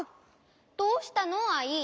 どうしたのアイ？